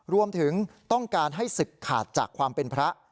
รวมถึงต้องการให้ศึกขาดจากความเป็นพระ